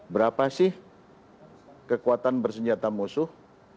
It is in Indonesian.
berapa sih kekuatan bersenjata musuh